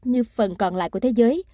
như phần còn lại của thế giới